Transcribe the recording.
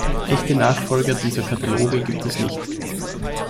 Echte Nachfolger dieser Kataloge gibt es nicht.